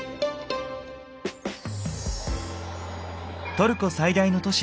トルコ最大の都市